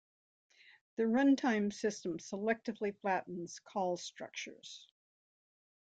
The run time system selectively flattens call structures.